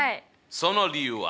その理由は？